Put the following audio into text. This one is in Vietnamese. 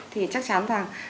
thì chắc chắn rằng